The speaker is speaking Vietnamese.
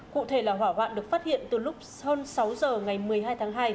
cụ thể là hỏa hoạn được phát hiện từ lúc hơn sáu giờ ngày một mươi hai tháng hai